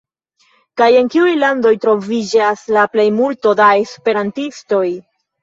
Kaj en kiuj landoj, troviĝas la plejmulto da esperantistoj?